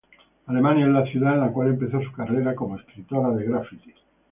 Alemania es la ciudad en la cual empezó su carrera como escritora de grafiti.